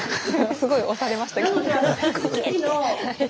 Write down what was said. すごい押されましたけど。